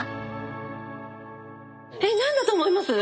えっ何だと思います？